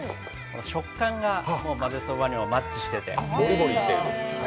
食感がまぜそばにはマッチしてて。